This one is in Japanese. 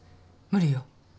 無理よ。